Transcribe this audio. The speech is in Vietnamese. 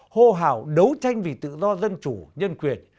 hô hào đấu tranh vì tự do dân chủ nhân quyền